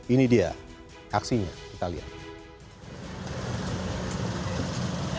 ini dia aksinya kita lihat